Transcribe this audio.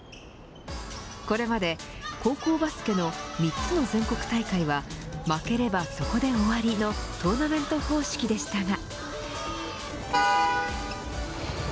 これまで高校バスケの３つの全国大会は負ければそこで終わり、のトーナメント方式でしたが。